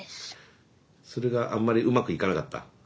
それがあんまりうまくいかなかった？